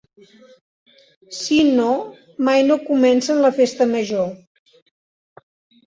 Si no mai no comencen la Festa Major...